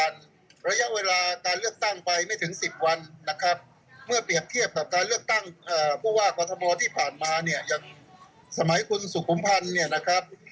สมัยคุณสุขุมพันธ์เนี่ยนะครับ